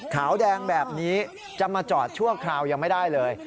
ขาวแดงแบบนี้จะมาจอดชั่วคราวยังไม่ได้เลย